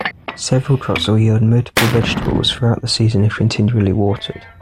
Several crops will yield multiple vegetables throughout the season if continually watered.